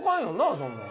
そんなん。